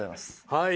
はい。